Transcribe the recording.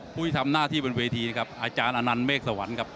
ผู้ที่ทำหน้าที่บนเวทีนะครับอาจารย์อนันต์เมฆสวรรค์ครับ